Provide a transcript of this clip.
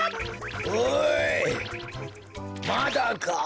おいまだか？